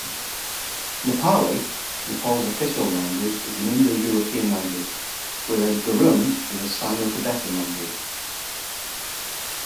Nepali, Nepal's official language, is an Indo-European language, whereas Gurung is a Sino-Tibetan language.